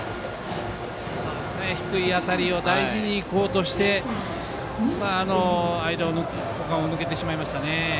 低い当たりを大事にいこうとして間を抜けてしまいましたね。